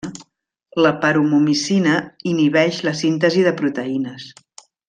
La paromomicina inhibeix la síntesi de proteïnes.